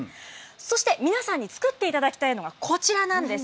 そして皆さんに作っていただきたいのがこちらなんです。